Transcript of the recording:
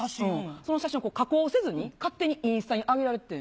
その写真を加工せずに、勝手にインスタに上げられててん。